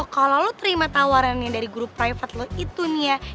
kalo lo terima tawaran yang dari guru privat lo itu nih